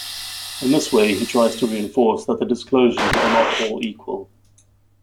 In this way, he tries to reinforce that the disclosures are not all equal.